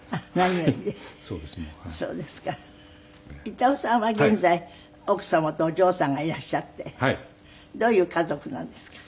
板尾さんは現在奥様とお嬢さんがいらっしゃってどういう家族なんですか？